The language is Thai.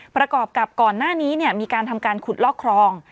ประกอบกับก่อนหน้านี้มีการทำการขุดลอกครอง